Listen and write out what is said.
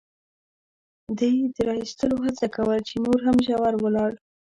ده یې د را اېستلو هڅه کول، چې نور هم ژور ولاړ.